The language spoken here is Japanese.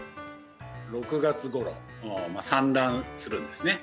６月ごろ、産卵するんですね。